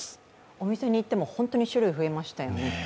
お店に行っても本当に種類が増えましたよね。